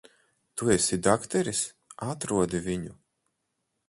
Tu esi dakteris. Atrodi viņu.